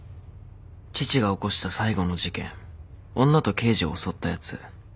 父が起こした最後の事件女と刑事を襲ったやつ。